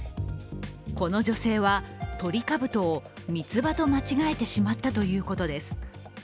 この女性は、トリカブトをミツバと間違えてしまったということです。